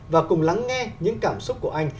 và cùng lắng nghe những cảm xúc của anh